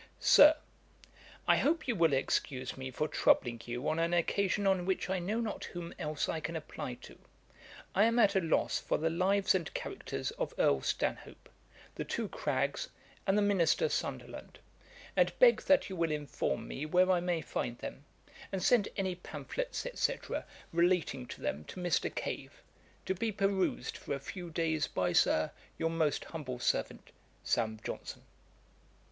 'SIR, 'I hope you will excuse me for troubling you on an occasion on which I know not whom else I can apply to; I am at a loss for the Lives and Characters of Earl Stanhope, the two Craggs, and the minister Sunderland; and beg that you will inform [me] where I may find them, and send any pamphlets, &c. relating to them to Mr. Cave, to be perused for a few days by, Sir, 'Your most humble servant, 'SAM. JOHNSON.'